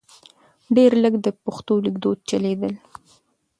ډېر لږ د پښتو لیکدود چلیدل .